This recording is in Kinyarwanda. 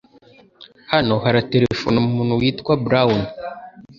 Hano haraterefona umuntu witwa Brown.